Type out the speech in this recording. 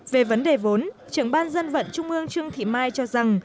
về vấn đề vốn trưởng ban dân vận trung ương trương thị mai cho rằng